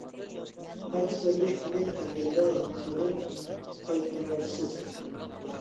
قايتا تىرىلىش كۈنى كەلگەندە بۇنى قايتۇرارسىز.